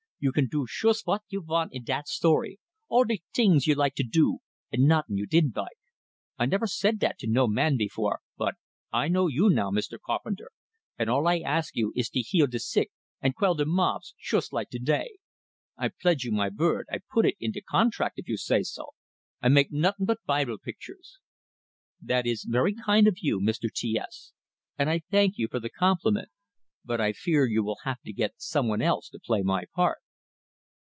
You can do shoost vot you vant in dat story all de tings you like to do, and nuttin' you didn't like. I never said dat to no man before, but I know you now, Mr. Carpenter, and all I ask you is to heal de sick and quell de mobs, shoost like today. I pledge you my vord I put it in de contract if you say so I make nuttin' but Bible pictures." "That is very kind of you, Mr. T S, and I thank you for the compliment; but I fear you will have to get some one else to play my part."